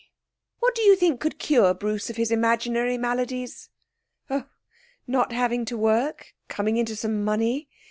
What do you think could cure Bruce of his imaginary maladies?' 'Oh, not having to work, coming into some money.